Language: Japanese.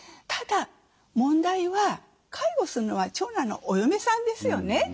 ただ問題は介護するのは長男のお嫁さんですよね。